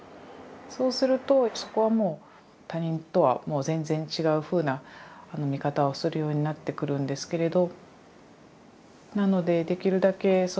そうするとそこはもう他人とは全然違うふうな見方をするようになってくるんですけれど。